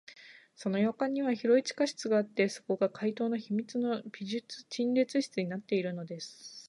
その洋館には広い地下室があって、そこが怪盗の秘密の美術陳列室になっているのです。